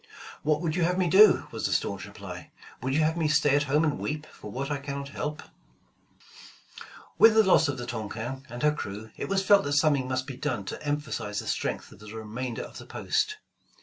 *'What would you have me do?" was the staunch reply. "Would you have me stay at home and weep, for what I cannot help ?'' With the loss of the Tonquin and her crew, it was 170 Voyage of the Tonquin felt that something must be done to emphasize the strength of the remainder of the post.